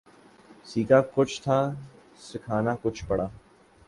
سیکھا کچھ تھا سکھانا کچھ پڑا